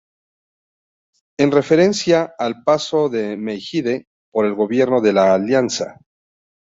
En referencia al paso de Meijide por el gobierno de la Alianza.